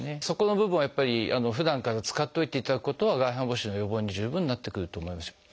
そこの部分をやっぱりふだんから使っといていただくことは外反母趾の予防に十分なってくると思います。